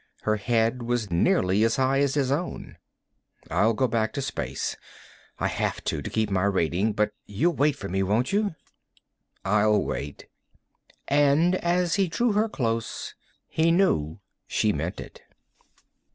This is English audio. Her head was nearly as high as his own. "I'll go back to space. I have to, to keep my rating. But you'll wait for me, won't you?" "I'll wait." And as he drew her close, he knew she meant it.